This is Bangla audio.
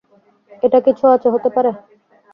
এটা কি ছোঁয়াচে হতে পারে?